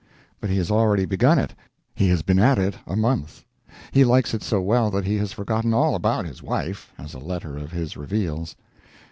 But he has already begun it. He has been at it a month. He likes it so well that he has forgotten all about his wife, as a letter of his reveals.